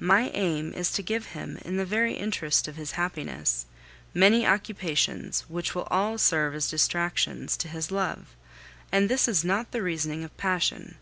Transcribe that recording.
My aim is to give him, in the very interest of his happiness, many occupations, which will all serve as distractions to his love; and this is not the reasoning of passion.